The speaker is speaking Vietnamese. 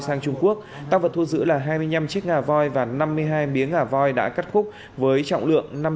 sang trung quốc tăng vật thu giữ là hai mươi năm chiếc ngà voi và năm mươi hai miếng ngà voi đã cắt khúc với trọng lượng